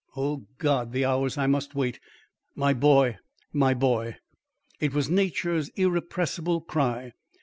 O God! the hours I must wait; my boy! my boy!" It was nature's irrepressible cry.